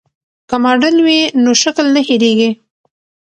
که ماډل وي نو شکل نه هېریږي.